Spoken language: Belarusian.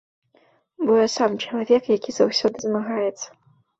Бо я сам чалавек, які заўсёды змагаецца.